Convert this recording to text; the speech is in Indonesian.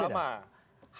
kalau bangsat lama